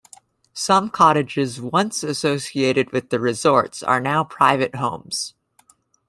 Some cottages once associated with the resorts are now private homes.